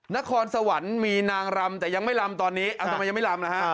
นครสวรรค์มีนางรำแต่ยังไม่ลำตอนนี้ทำไมยังไม่ลำนะฮะ